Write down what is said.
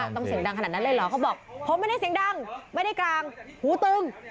เสียงดังขนาดนั้นเลยเหรอเขาบอกผมไม่ได้เสียงดังไม่ได้กลางหูตึง